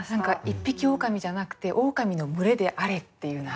一匹オオカミじゃなくてオオカミの群れであれっていうのが。